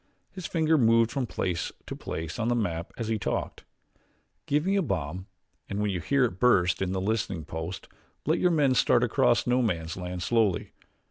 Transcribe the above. His finger moved from place to place on the map as he talked. "Give me a bomb and when you hear it burst in this listening post let your men start across No Man's Land slowly.